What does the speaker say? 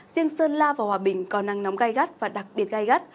riêng sơn la và hòa bình có nắng nóng gai gắt và đặc biệt gai gắt